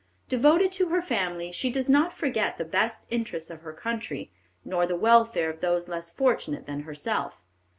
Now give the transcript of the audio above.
Devoted to her family, she does not forget the best interests of her country, nor the welfare of those less fortunate than herself.